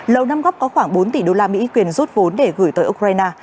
lầu nam góc có khoảng bốn tỷ đô la mỹ quyền rút vốn để gửi tới ukraine